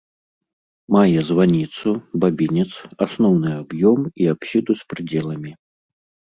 Мае званіцу, бабінец, асноўны аб'ём і апсіду з прыдзеламі.